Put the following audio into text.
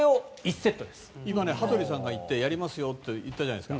今、羽鳥さんがやりますよって言ったじゃないですか。